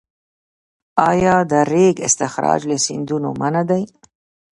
آیا د ریګ استخراج له سیندونو منع دی؟